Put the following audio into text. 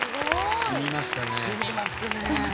染みますね。